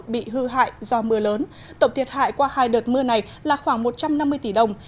bị hư hại do mưa lớn tổng thiệt hại qua hai đợt mưa này là khoảng một trăm năm mươi tỷ đồng